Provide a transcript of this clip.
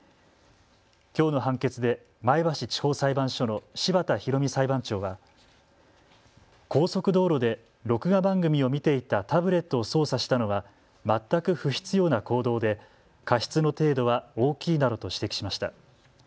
きょうの判決で前橋地方裁判所の柴田裕美裁判長は高速道路で録画番組を見ていたタブレットを操作したのは全く不必要な行動で過失の程度は大きいなどと指摘しました。